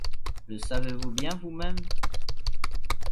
Le savez-vous bien vous-même ?